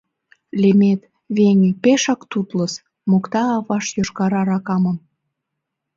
— Лемет, веҥе, пешак тутлыс, — мокта авашт йошкар аракамым.